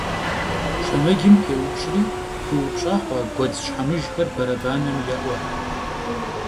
Şşemecım pêupş'ri, pıupş'a xhua guedz şhemıjjxer berebanem yê'ue.